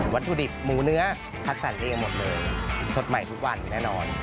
วัตถุดิบหมูเนื้อคัดสรรเองหมดเลยสดใหม่ทุกวันแน่นอน